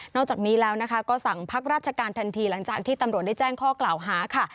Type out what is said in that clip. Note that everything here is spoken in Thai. จากนี้แล้วนะคะก็สั่งพักราชการทันทีหลังจากที่ตำรวจได้แจ้งข้อกล่าวหาค่ะ